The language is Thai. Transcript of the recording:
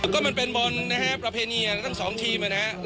ก็มันเป็นบนนะครับประเพณีทั้ง๒ทีมนะครับ